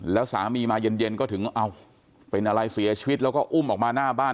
แล้วสามีมาเย็นก็ถึงเอาเป็นอะไรเสียชีวิตแล้วก็อุ้มออกมาหน้าบ้าน